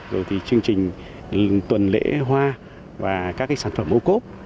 rồi thì chương trình tuần lễ hoa và các sản phẩm ô cốp